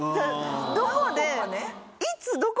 どこで。